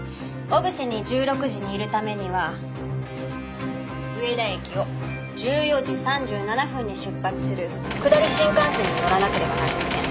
小布施に１６時にいるためには上田駅を１４時３７分に出発する下り新幹線に乗らなければなりません。